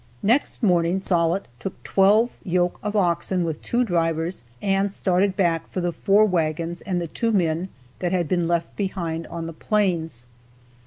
Next morning Sollitt took twelve yoke of oxen with two drivers, and started back for the four wagons and two men that had been left behind on the plains.